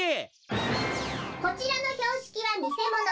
こちらのひょうしきはにせもの。